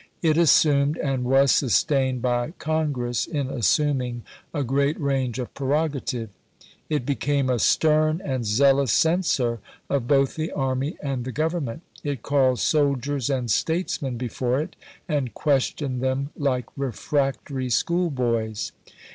It assumed, and was sustained by Congress in assuming, a great range of prerogative. It became a stern and zealous censor of both the army and the Govern ment; it callcnl soldiers and statesmen before it, and questioned them like refractory schoolboys.